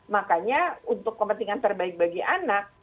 makanya untuk kepentingan terbaik bagi anak